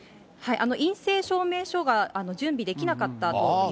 陰性証明書が準備できなかったという。